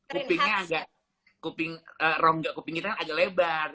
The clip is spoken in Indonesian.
kupingnya agak rom gak kuping kita kan agak lebar